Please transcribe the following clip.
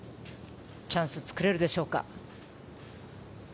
チャンス作れるでしょうか。